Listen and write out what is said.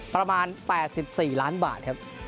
ประมาณ๘๔ล้านบาทครับ